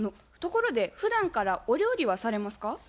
ところでふだんからお料理はされますか？